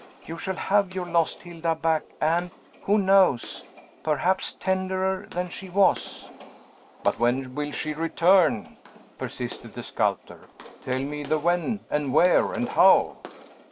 You shall have your lost Hilda back, and who knows? perhaps tenderer than she was." "But when will she return?" persisted the sculptor; "tell me the when, and where, and how!"